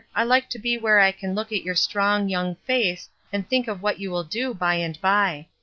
I Uke to be where I can look at your strong, young face and think of what you will do by and by.